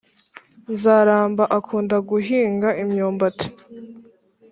nzaramba akunda guhinga imyumbati